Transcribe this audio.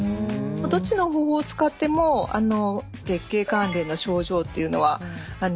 どっちの方法を使っても月経関連の症状っていうのは楽になるし